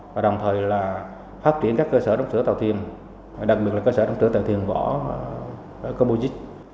và đồng thời phát triển các cơ sở đóng sửa tàu thiền đặc biệt là cơ sở đóng sửa tàu thiền vỏ cô bùi dịch